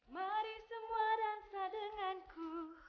mari semua dan sadenganku